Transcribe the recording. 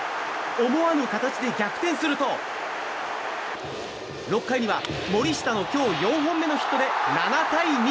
思わぬ形で逆転すると６回には森下の今日４本目のヒットで７対２。